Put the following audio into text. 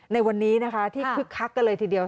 ในวันนี้นะคะที่คึกคักกันเลยทีเดียว